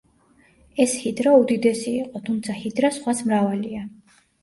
ეს ჰიდრა უდიდესი იყო, თუმცა, ჰიდრა სხვაც მრავალია.